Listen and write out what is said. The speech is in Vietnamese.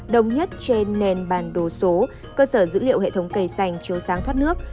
đồng nhất trên nền bàn đồ số cơ sở dữ liệu hệ thống cây xanh chiếu sáng thoát nước